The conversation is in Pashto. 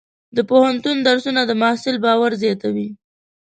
د پوهنتون درسونه د محصل باور زیاتوي.